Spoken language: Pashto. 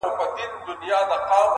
چي وهل یې د سیند غاړي ته زورونه!